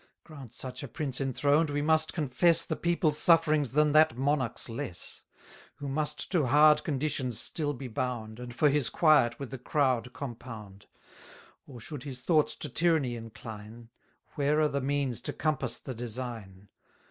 Grant such a prince enthroned, we must confess The people's sufferings than that monarch's less, Who must to hard conditions still be bound, And for his quiet with the crowd compound; Or should his thoughts to tyranny incline, Where are the means to compass the design?